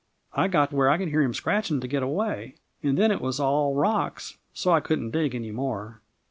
I got where I could hear him scratching to get away, and then it was all rocks, so I couldn't dig any more.